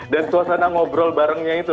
dan suasana ngobrol barengnya itu